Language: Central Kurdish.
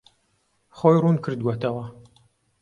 خۆی ڕوون کردووەتەوە.